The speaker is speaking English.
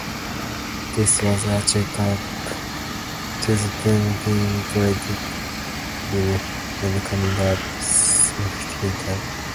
This was chalked up to the booms being predictable and coming at specific times.